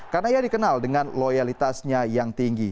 karena ia dikenal dengan loyalitasnya yang tinggi